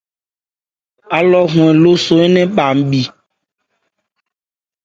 Álɔ́ hɔ-ɛn lóso ń nɛn ma npì.